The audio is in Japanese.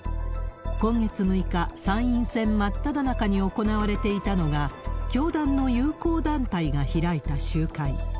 今月６日、参院選真っただ中に行われていたのが、教団の友好団体が開いた集会。